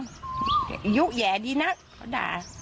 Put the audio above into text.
อายุแหย่ดีนักเขาด่า